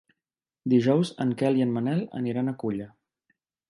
Dijous en Quel i en Manel aniran a Culla.